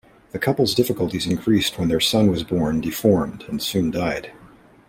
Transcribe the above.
The couple's difficulties increased when their son was born deformed and soon died.